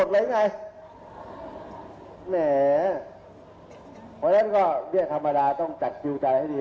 เพราะฉะนั้นก็เบี้ยธรรมดาต้องจัดคิวใจให้ดี